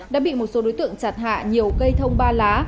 đã bị một số đối tượng chặt hạ nhiều cây thông ba lá